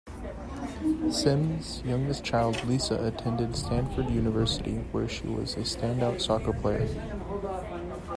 Sime's youngest child Lisa attended Stanford University, where she was a standout soccer player.